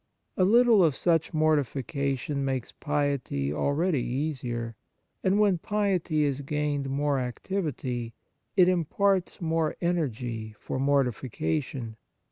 A little of such mortification makes piety already easier, and when piety has gained more activity, it imparts more energy for mortification.